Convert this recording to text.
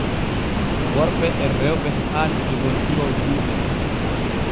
Worɓe e rewɓe haani joggontiro juuɗe.